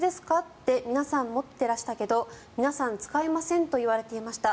で皆さん持ってらしたけど皆さん使いませんと言われていました。